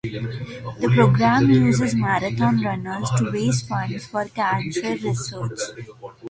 The program uses marathon runners to raise funds for cancer research.